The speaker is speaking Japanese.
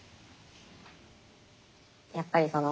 やっぱりその